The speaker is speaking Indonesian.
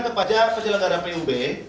kepada penyelenggaraan pub